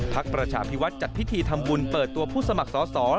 ประชาพิวัฒน์จัดพิธีทำบุญเปิดตัวผู้สมัครสอสอ